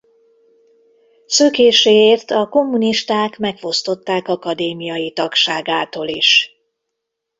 Szökéséért a kommunisták megfosztották akadémiai tagságától is.